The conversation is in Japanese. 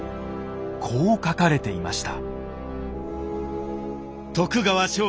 こう書かれていました。